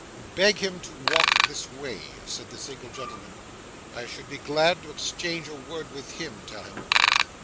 'Beg him to walk this way,' said the single gentleman. 'I should be glad to exchange a word with him, tell him.